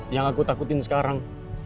yang aku takutin sekarang